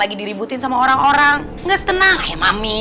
lagi diributin sama orang orang nggak setenang ya mami